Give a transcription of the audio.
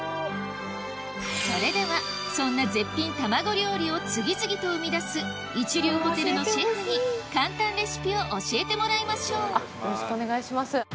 それではそんな絶品卵料理を次々と生み出す一流ホテルのシェフに簡単レシピを教えてもらいましょうよろしくお願いします。